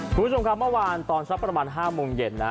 คุณผู้ชมครับเมื่อวานตอนสักประมาณ๕โมงเย็นนะ